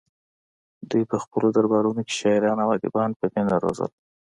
دوی په خپلو دربارونو کې شاعران او ادیبان په مینه روزل